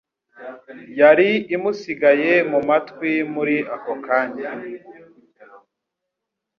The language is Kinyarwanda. yari imusigaye mu matwi muri ako kanya